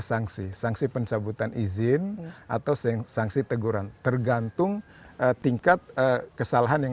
sanksi sanksi pencabutan izin atau sanksi teguran tergantung tingkat kesalahan yang